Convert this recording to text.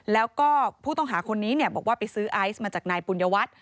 แล้วก็ผู้ต้องหาคนนี้บอกว่าไปซื้อไอซ์มาจากนายปุญญวัตร